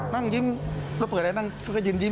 นั่งยิ้มเราเปิดแอร์นั่งเขาก็ยินยิ้ม